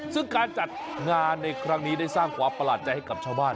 ซึ่งการจัดงานในครั้งนี้ได้สร้างความประหลาดใจให้กับชาวบ้าน